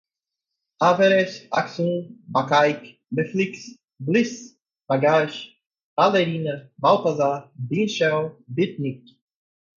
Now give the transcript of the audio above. averest, axum, bacaic, beflix, bliss, babbage, ballerina, baltazar, beanshell, beatnik